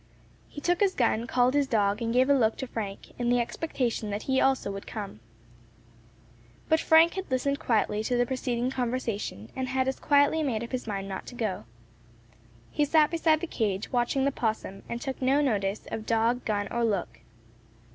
He took his gun, called his dog, and gave a look to Frank, in the expectation that he also would come. But Frank had listened quietly to the preceding conversation, and had as quietly made up his mind not to go. He sat beside the cage, watching the opossum, and took no notice of dog, gun, or look.